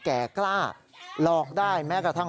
สายลูกไว้อย่าใส่